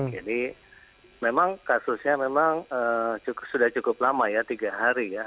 jadi memang kasusnya memang sudah cukup lama ya tiga hari ya